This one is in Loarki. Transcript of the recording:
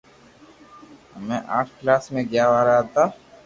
ھمي آٺ ڪلاس مي گيا وارا ھتا